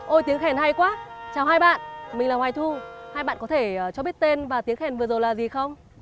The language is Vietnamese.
ôi tiếng khen hay quá chào hai bạn mình là hoài thu hai bạn có thể cho biết tên và tiếng khen vừa rồi là gì không